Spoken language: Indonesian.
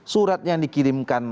surat yang dikirimkan